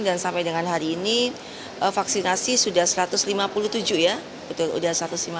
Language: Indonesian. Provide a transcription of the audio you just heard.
dan sampai dengan hari ini vaksinasi sudah satu ratus lima puluh tujuh ya betul sudah satu ratus lima puluh tujuh